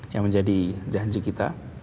yang menjadi janji kita